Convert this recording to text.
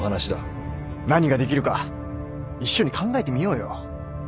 何ができるか一緒に考えてみようよ。